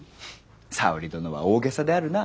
沙織殿は大げさであるな。